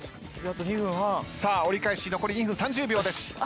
さあ折り返し残り２分３０秒です。